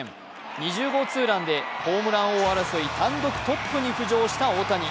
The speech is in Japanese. ２０号ツーランでホームラン王争い単独トップに浮上した大谷。